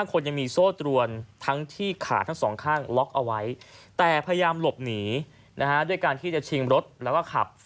คนยังมีโซ่ตรวนทั้งที่ขาทั้งสองข้างล็อกเอาไว้แต่พยายามหลบหนีด้วยการที่จะชิงรถแล้วก็ขับ